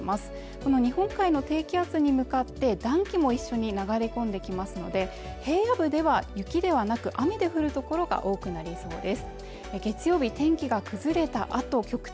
この日本海の低気圧に向かって暖気も一緒に流れ込んできますので平野部では雪ではなく雨で降る所が多くなりそうです